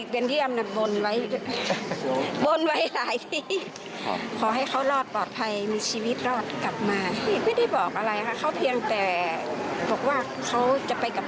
ต้องมีความหวังค่ะทุกคนเนี้ยครับ